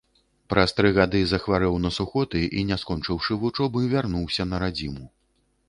Праз тры гады захварэў на сухоты і, не скончыўшы вучобы, вярнуўся на радзіму.